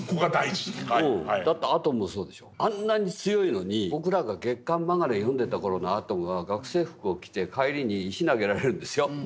あんなに強いのに僕らが月刊マンガで読んでた頃のアトムは学生服を着て帰りに石投げられるんですよ。